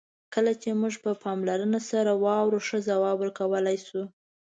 کله چې موږ په پاملرنه سره واورو، ښه ځواب ورکولای شو.